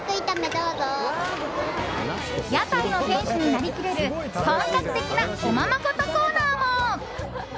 屋台の店主になりきれる本格的なおままごとコーナーも。